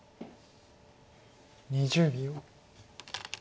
２０秒。